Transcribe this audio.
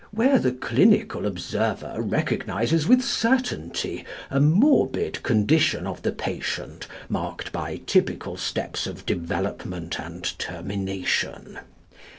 where the clinical observer recognises with certainty a morbid condition of the patient marked by typical steps of development and termination.